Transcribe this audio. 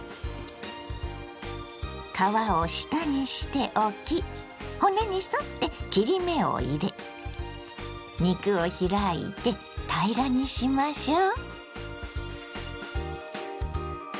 皮を下にして置き骨に沿って切り目を入れ肉を開いて平らにしましょう。